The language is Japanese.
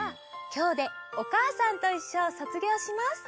今日で「おかあさんといっしょ」を卒業します